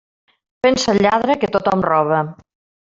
Pensa el lladre que tothom roba.